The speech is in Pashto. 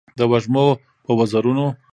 د وږمو په وزرونو